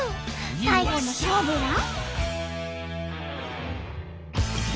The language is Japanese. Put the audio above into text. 最後の勝負は？